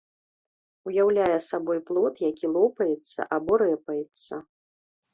Уяўляе сабой плод, які лопаецца або рэпаецца.